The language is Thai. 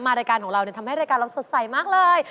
รายการของเราทำให้รายการเราสดใสมากเลย